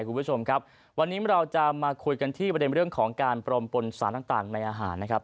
คุณผู้ชมครับวันนี้เราจะมาคุยกันที่ประเด็นเรื่องของการปรมปนสารต่างในอาหารนะครับ